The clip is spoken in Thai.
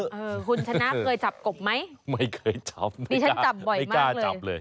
คุณชนะเคยจับกบไหมไม่เคยจับไม่กล้านี่ฉันจับบ่อยมากเลยไม่กล้าจับเลย